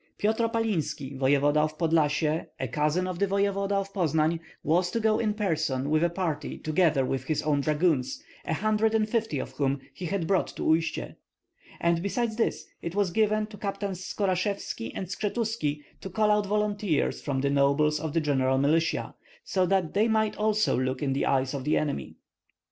Pyotr Opalinski, voevoda of Podlyasye, a cousin of the voevoda Poznan, was to go in person with a party together with his own dragoons, a hundred and fifty of whom he had brought to Uistsie; and besides this it was given to Captains Skorashevski and Skshetuski to call out volunteers from the nobles of the general militia, so that they might also look in the eyes of the enemy.